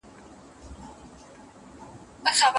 دا عيسی ابن مريم درپسې ژاړي